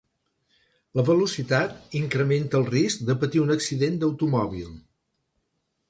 La velocitat incrementa el risc de patir un accident d'automòbil.